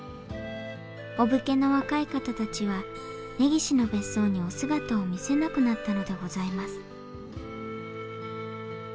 お武家の若い方たちは根岸の別荘にお姿を見せなくなったのでございます